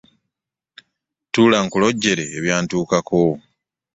Tuula nkulojjere ebyantukako.